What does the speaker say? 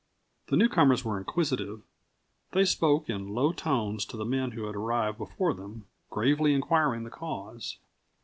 The newcomers were inquisitive; they spoke in low tones to the men who had arrived before them, gravely inquiring the cause.